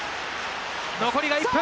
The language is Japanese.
残りが１分。